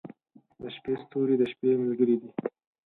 • د شپې ستوري د شپې ملګري دي.